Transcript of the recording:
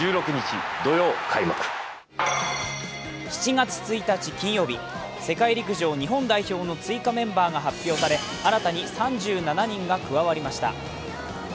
７月１日金曜日、世界陸上日本代表の追加メンバーが発表され、新たに３７人が加わりました。